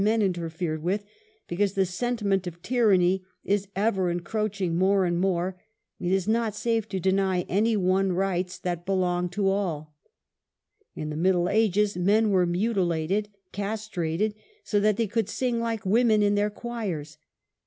13 men interfered with, because the sentiment of ty ranny is ever encroaching more and more; it is not safe to deny any one rights that belong to alL In the middle ages men were mutilated (castrated) so that they could sing like women in their choirs.